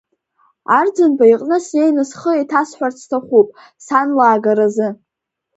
Арӡынба иҟны снеины схы еиҭасҳәарц сҭахуп, сан лаагаразы.